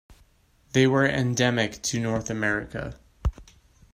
They were endemic to North America.